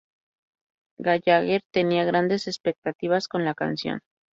Gallagher tenía grandes expectativas con la canción.